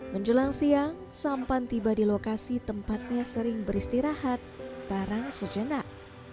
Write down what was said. menjelang siang sampan tiba di lokasi tempatnya sering beristirahat barang sejenak